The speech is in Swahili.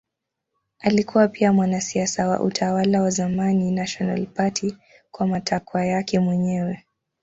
Alikuwa pia mwanasiasa wa utawala wa zamani National Party kwa matakwa yake mwenyewe.